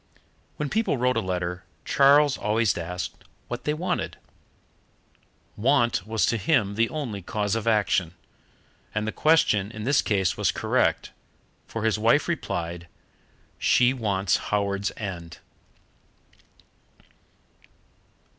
When people wrote a letter Charles always asked what they wanted. Want was to him the only cause of action. And the question in this case was correct, for his wife replied, "She wants Howards End."